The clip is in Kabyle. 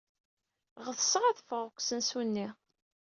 Ɣetseɣ ad ffɣeɣ seg usensu-nni.